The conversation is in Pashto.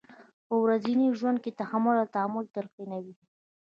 په ورځني ژوند کې تحمل او تامل تلقینوي.